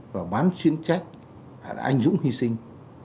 và bán chuyến trách đã anh dũng hy sinh